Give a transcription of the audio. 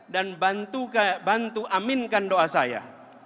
dan bantu aminkan doa saya